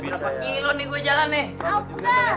ini rumah ibu saya